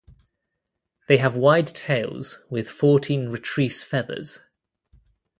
They have wide tails with fourteen retrice feathers.